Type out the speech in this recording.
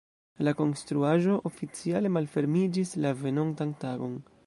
La konstruaĵo oficiale malfermiĝis la venontan tagon.